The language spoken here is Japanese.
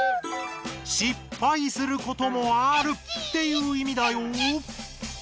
「失敗することもある」っていう意味だよ。